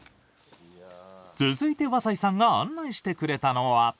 続いて和才さんが案内してくれたのは。